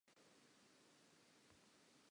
Once established, chirality would be selected for.